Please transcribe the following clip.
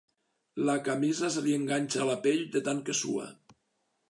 La camisa se li enganxa a la pell de tant que sua.